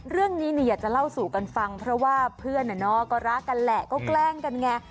เรื่องนี้อยากจะเล่าสู่กันฟังเพราะว่าเพื่อนก็รักกันแหละก็แกล้งกันไง